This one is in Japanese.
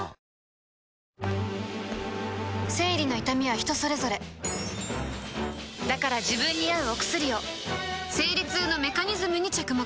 生理の痛みは人それぞれだから自分に合うお薬を生理痛のメカニズムに着目